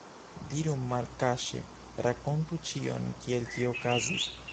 Diru malkaŝe, rakontu ĉion, kiel ĝi okazis!